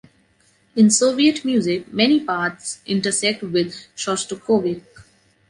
In Soviet music, many paths intersect with Shostakovich.